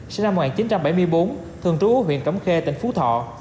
sinh năm một nghìn chín trăm bảy mươi bốn thường trú huyện cấm khê tỉnh phú thọ